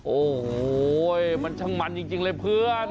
โอ้โหมันช่างมันจริงเลยเพื่อน